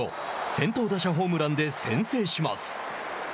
先頭打者ホームランで先制します。